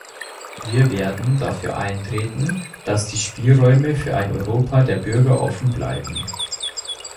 Wir werden dafür eintreten, dass die Spielräume für ein Europa der Bürger offen bleiben.